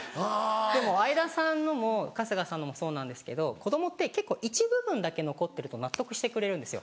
でも相田さんのも春日さんのもそうなんですけど子供って結構一部分だけ残ってると納得してくれるんです。